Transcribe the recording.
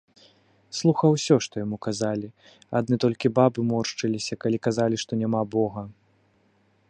Слухаў усё, што яму казалі, адны толькі бабы моршчыліся, калі казалі, што няма бога.